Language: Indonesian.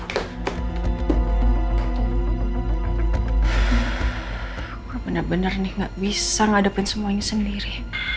gua bener bener nih gak bisa ngadepin semuanya sendiri